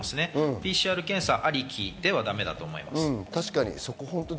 ＰＣＲ検査ありきではだめだと思います。